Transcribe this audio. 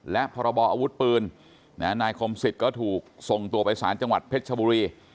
และพรบออาวุธปืนนายคมสิทธิ์ก็ถูกส่งตัวไปสารจังหวัดเพชรชบุรี